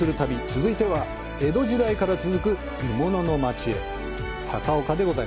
続いては、江戸時代から続く鋳物の町、高岡へ。